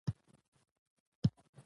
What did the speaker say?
په سمڅه کې تياره وه.